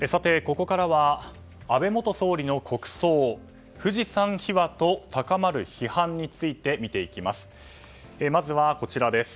ここからは安倍元総理の国葬富士山秘話と高まる批判について見ていきます。